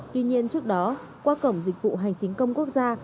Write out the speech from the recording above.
tuy nhiên trước đó qua cổng dịch vụ hành chính công quốc gia